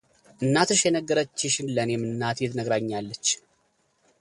እናትሽ የነገረችሽን ለእኔም እናቴ ነግራኛለች፡፡